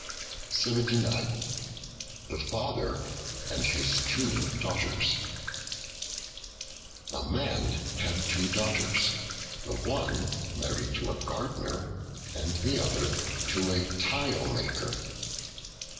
The Father and His Two Daughters A MAN had two daughters, the one married to a gardener, and the other to a tile maker.